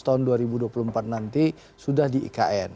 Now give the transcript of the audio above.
tahun dua ribu dua puluh empat nanti sudah di ikn